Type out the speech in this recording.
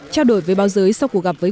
trao đổi về bao giới sau cuộc gặp với